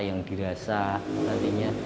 yang dirasa nantinya